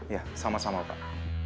ya sama sama pak